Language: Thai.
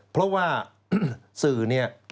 เพราะว่าสื่อเนี่ย